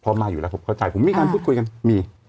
มาอยู่แล้วผมเข้าใจผมมีการพูดคุยกันมี